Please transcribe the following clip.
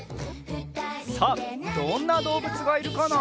さあどんなどうぶつがいるかな？